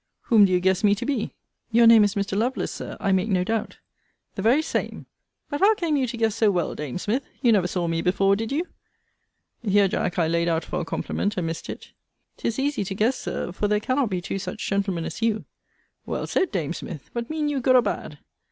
Whom do you guess me to be? Your name is Mr. Lovelace, Sir, I make no doubt. The very same. But how came you to guess so well, dame Smith! You never saw me before, did you? Here, Jack, I laid out for a compliment, and missed it. 'Tis easy to guess, Sir; for there cannot be two such gentlemen as you. Well said, dame Smith but mean you good or bad?